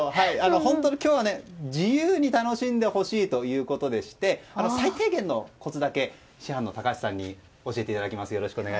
本当に今日は自由に楽しんでほしいということでして最低限のコツだけ師範の高橋さんに教えていただきます。